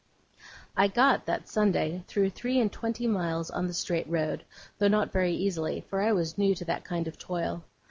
I got, that Sunday, through three and twenty miles on the straight road, though not very easily, for I was new to that kind of toil.